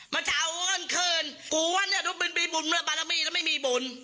มันจะเอาแล้วส่งกูกูว่ารุ้นมีบุญเหลือไบกลังมี่มันจะไม่มีบุล